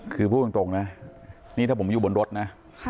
คือพูดตรงนะนี่ถ้าผมอยู่บนรถนะ